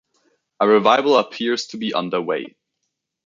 A revival appears to be underway.